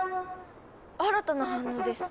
新たな反応です。